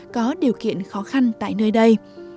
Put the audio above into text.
có điều kiện khó khăn tại nơi đây